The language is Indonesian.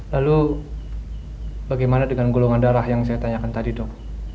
lalu bagaimana dengan golongan darah yang saya tanyakan tadi dok